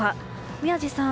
宮司さん